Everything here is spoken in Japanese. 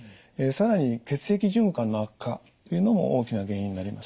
更に血液循環の悪化というのも大きな原因になります。